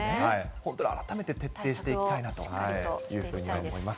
本当に改めて徹底していきたいなというふうには思います。